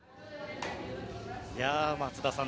松田さん